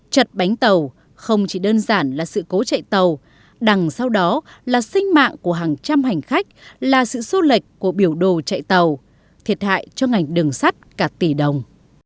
chật bánh tàu không chỉ đơn giản là sự cố chạy tàu đằng sau đó là sinh mạng của hàng trăm hành khách là sự xô lệch của biểu đồ chạy tàu thiệt hại cho ngành đường sắt cả tỷ đồng